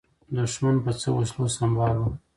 دښمن په څه وسلو سمبال و؟